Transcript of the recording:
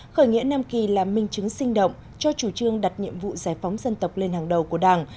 khởi nghĩa nam kỳ là minh chứng sinh động cho chủ trương đặt nhiệm vụ giải phóng dân tộc lên hàng đầu của đảng